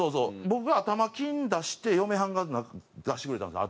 僕が頭金出して嫁はんが出してくれたんです